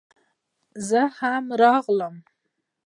زه هم راغلم